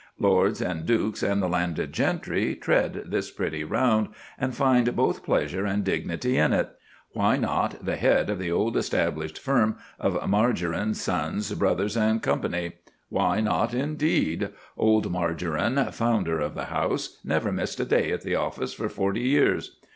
Lords and dukes and the landed gentry tread this pretty round, and find both pleasure and dignity in it. Why not the head of the old established firm of Margarine, Sons, Bros. & Co.? Why not, indeed? Old Margarine, founder of the house, never missed a day at the office for forty years.